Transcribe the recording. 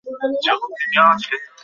রে আর লুইস আমাদেরকে আপনার সম্পর্কে বলেছে।